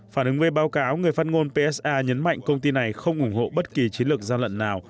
phản ứng với báo cáo người phát ngôn psa nhấn mạnh công ty này không ủng hộ bất kỳ chiến lược gian lận nào